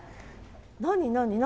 何何？